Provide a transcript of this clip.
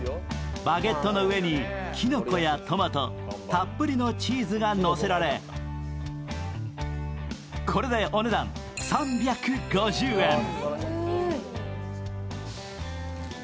バゲットの上にきのこやトマト、たっぷりのチーズがのせられこれでお値段３５０円。